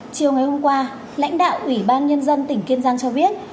chiều ngày hôm qua lãnh đạo ủy ban nhân dân tỉnh kiên giang cho biết